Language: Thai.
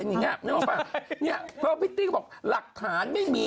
อันนี้ไงนึกออกป่ะเนี้ยเพราะพี่ตี้เขาบอกหลักฐานไม่มี